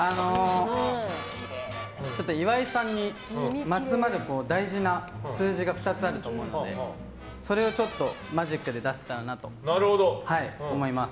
岩井さんにまつわる大事な数字が２つあると思うのでそれをマジックで出せたらなと思います。